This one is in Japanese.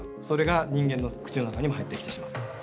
それが人間の口の中にも入ってきてしまう。